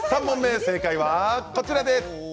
３問目正解はこちらです！